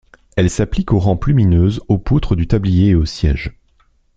Elle s'applique aux rampes lumineuses, aux poutres du tablier et aux sièges.